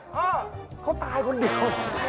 อ้อวะเขาตายคนเดียว